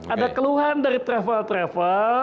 ada keluhan dari travel travel